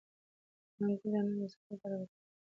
د انګور دانه د څه لپاره وکاروم؟